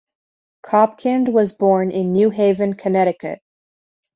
Kopkind was born in New Haven, Connecticut.